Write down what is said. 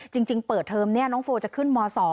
จริงเปิดเทอมนี้น้องโฟจะขึ้นม๒